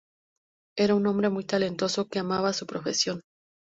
Era un hombre muy talentoso que amaba su profesión.